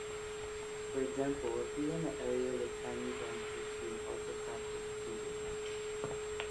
For example, a few in the area with Chinese ancestry also practice Buddhism.